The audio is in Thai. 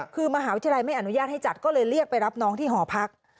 คือมหาวิทยาลัยไม่อนุญาตให้จัดก็เลยเรียกไปรับน้องที่หอพัก